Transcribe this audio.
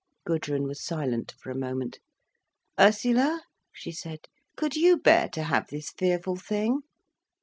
Gudrun was silent for a moment. "Ursula," she said, "could you bear to have this fearful thing?"